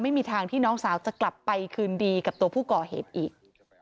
ไม่มีทางที่น้องสาวจะกลับไปคืนดีกับตัวผู้ก่อเหตุอีก